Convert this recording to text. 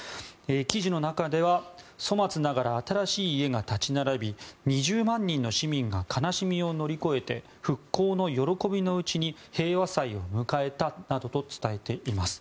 記事の中では粗末ながら新しい家が立ち並び２０万人の市民が悲しみを乗り越えて復興の喜びのうちに平和祭を迎えたなどと伝えています。